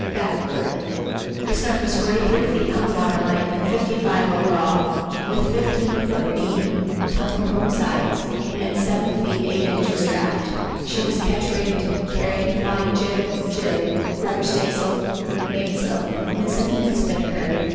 BACKWORD The Snark was forty three feet on the water line and fifty five over all, with fifteen feet beam (tumble home sides) and seven feet eight inches draught. She was ketch rigged, carrying flying jib, jib, fore staysail, main sail, mizzen, and spinnaker.